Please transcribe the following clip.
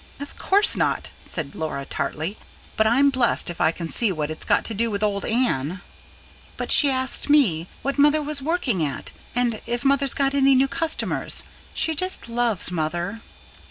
"Of course not," said Laura tartly. "But I'm blessed if I can see what it's got to do with old Anne." "But she asked me ... what mother was working at and if she'd got any new customers. She just loves mother."